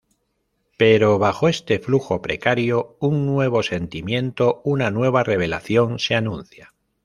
Pero, bajo este flujo precario, un nuevo sentimiento, una nueva revelación se anuncia.